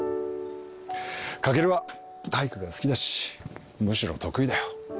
翔は体育が好きだしむしろ得意だよ。